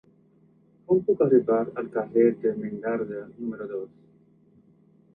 Com puc arribar al carrer d'Ermengarda número dos?